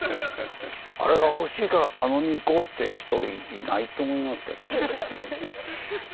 あれがほしいから佐野に行こうって人いないと思いますけどね。